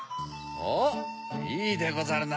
おっいいでござるな！